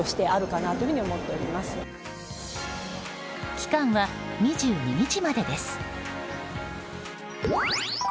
期間は２２日までです。